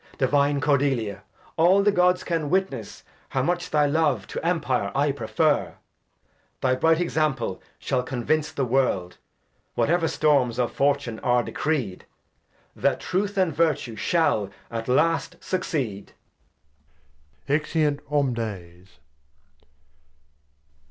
Divine Cordelia, aU the Gods can witness How much thy Love to Empire I prefer ! Thy bright Example shall convince the World (Wliatever Storms of Fortune are decreed) That Truth and Vertue shall at last succeed. \_Exeunt Omnes.